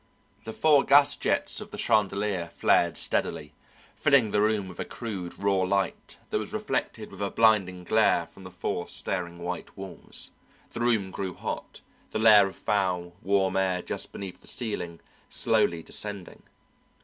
The four gas jets of the chandelier flared steadily, filling the room with a crude raw light that was reflected with a blinding glare from the four staring white walls, the room grew hot, the layer of foul warm air just beneath the ceiling, slowly descending.